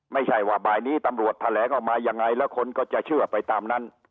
ไม่ใช่ว่าบ่ายนี้ตำรวจแถลงออกมายังไงแล้วคนก็จะเชื่อไปตามนั้น